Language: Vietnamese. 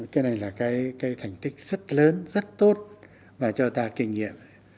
cái này là cái thành tích rất lớn rất tốt và cho ta kinh nghiệm